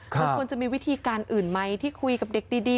มันควรจะมีวิธีการอื่นไหมที่คุยกับเด็กดี